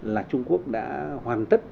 là trung quốc đã hoàn tất